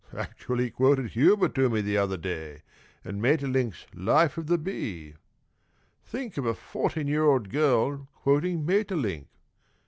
Actually quoted Huber to me the other day, and Maeterlinck's 'Life of the Bee!' Think of a fourteen year old girl quoting Maeterlinck!